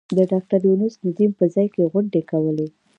د ډاکټر یونس ندیم په ځای کې غونډې کولې.